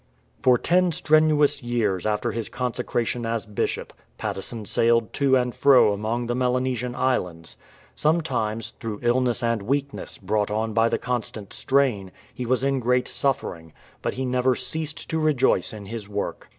For ten strenuous years after his consecration as Bishop, Patteson sailed to and fro among the Melanesian Islands. Sometimes, through illness and weakness, brought on by the constant strain, he was in great suffering; but he never ceased to rejoice in his work.